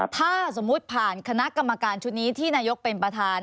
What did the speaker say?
ถ้าสมมุติผ่านคณะกรรมการชุดนี้ที่นายกเป็นประธาน